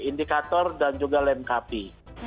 indikator dan juga lemkapi